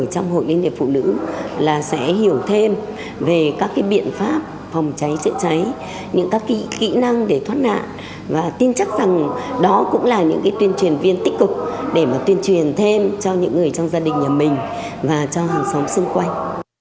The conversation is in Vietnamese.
trong hội liên hiệp phụ nữ là sẽ hiểu thêm về các biện pháp phòng cháy chữa cháy những các kỹ năng để thoát nạn và tin chắc rằng đó cũng là những tuyên truyền viên tích cực để mà tuyên truyền thêm cho những người trong gia đình nhà mình và cho hàng xóm xung quanh